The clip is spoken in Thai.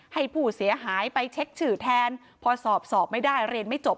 ให้ผู้เสียหายไปเช็คชื่อแทนพอสอบสอบไม่ได้เรียนไม่จบ